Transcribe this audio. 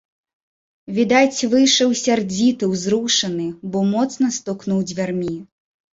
Відаць, выйшаў сярдзіты, узрушаны, бо моцна стукнуў дзвярмі.